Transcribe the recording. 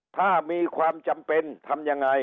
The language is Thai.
ถ้ามีความจำเป็นทำยังไง